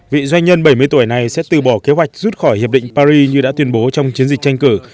vị doanh nhân bảy mươi tuổi này sẽ từ bỏ kế hoạch rút khỏi hiệp định paris như đã tuyên bố trong chiến dịch tranh cử